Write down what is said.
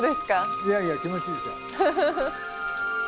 いやいや気持ちいいですよ。